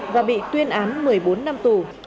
và bị tuyên án một mươi bốn năm tù